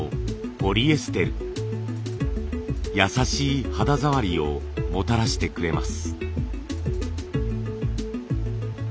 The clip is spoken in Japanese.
優しい肌触りをもたらしてくれます。